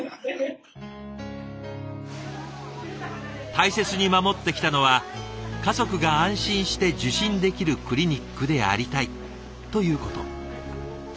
大切に守ってきたのは「家族が安心して受診できるクリニックでありたい」ということ。